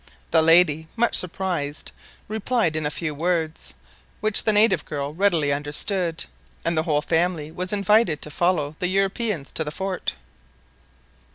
The lady, much surprised, replied in a few words, which the native girl readily understood, and the whole family was invited to follow the Europeans to the fort.